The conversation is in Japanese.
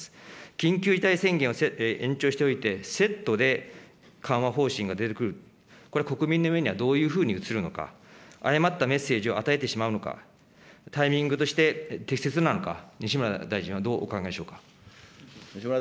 緊急事態宣言を延長しておいて、セットで緩和方針が出てくる、これ国民の目にはどういうふうに映るのか、誤ったメッセージを与えてしまうのか、タイミングとして適切なのか、西村大臣はどうお考えでしょうか。